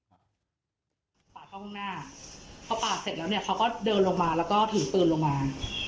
ปาดเข้าข้างหน้าพอปาดเสร็จแล้วเนี่ยเขาก็เดินลงมาแล้วก็ถือปืนลงมา